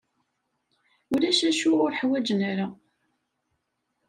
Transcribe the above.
Ulac acu ur ḥwaǧen ara.